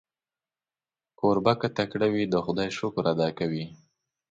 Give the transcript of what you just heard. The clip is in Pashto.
کوربه که تکړه وي، د خدای شکر ادا کوي.